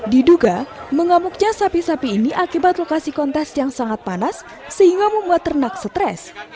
diduga mengamuknya sapi sapi ini akibat lokasi kontes yang sangat panas sehingga membuat ternak stres